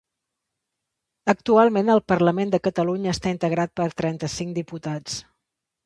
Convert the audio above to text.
Actualment, el Parlament de Catalunya està integrat per cent trenta-cinc diputats.